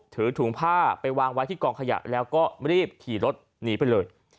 ถือถุงผ้าไปวางไว้ที่กองขยะแล้วก็รีบขี่รถหนีไปเลย